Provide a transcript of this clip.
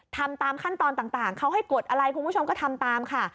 ทำตามขั้นตอนต่างเขาให้กดอะไรคุณผู้ชมก็ทำตามค่ะ